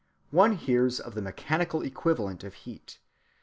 One hears of the mechanical equivalent of heat.